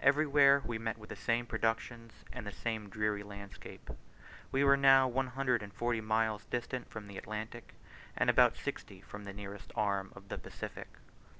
Everywhere we met with the same productions, and the same dreary landscape. We were now one hundred and forty miles distant from the Atlantic and about sixty from the nearest arm of the Pacific.